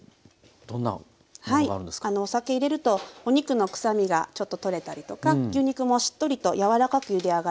お酒入れるとお肉の臭みがちょっととれたりとか牛肉もしっとりと柔らかくゆで上がります。